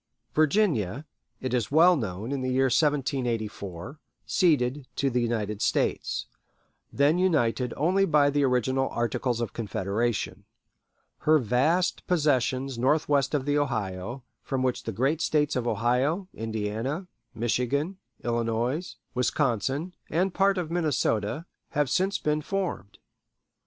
Virginia, it is well known, in the year 1784, ceded to the United States then united only by the original Articles of Confederation her vast possessions northwest of the Ohio, from which the great States of Ohio, Indiana, Michigan, Illinois, Wisconsin, and part of Minnesota, have since been formed.